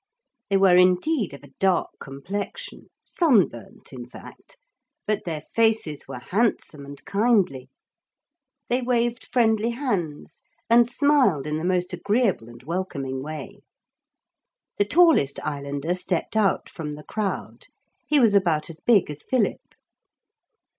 They were indeed of a dark complexion, sunburnt in fact, but their faces were handsome and kindly. They waved friendly hands and smiled in the most agreeable and welcoming way. The tallest islander stepped out from the crowd. He was about as big as Philip.